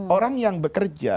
orang yang bekerja